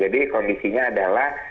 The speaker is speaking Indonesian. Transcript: jadi kondisinya adalah